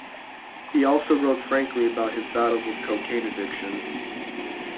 He also wrote frankly about his battles with cocaine addiction.